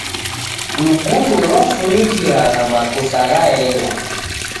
Lukundo lwafunikiragha makosa gha henga.